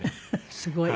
すごい。